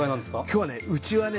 今日はねうちはね